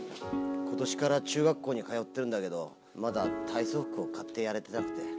今年から中学校に通ってるんだけどまだ体操服を買ってやれてなくて。